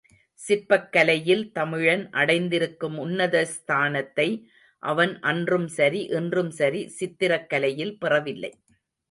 சிற்பக் கலையில் தமிழன் அடைந்திருக்கும் உன்னத ஸ்தானத்தை அவன் அன்றும் சரி, இன்றும் சரி, சித்திரக் கலையில் பெறவில்லை.